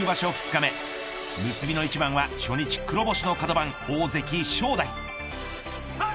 ２日目結びの一番は初日黒星のかど番大関、正代。